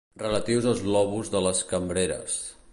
Relatius als lobus de les cambreres.